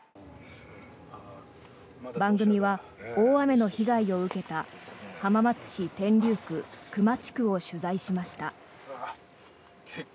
番組は大雨の被害を受けた浜松市天竜区熊地区を取材しました。